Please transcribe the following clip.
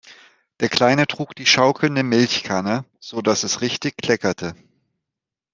Der Kleine trug die schaukelnde Milchkanne, sodass es richtig kleckerte.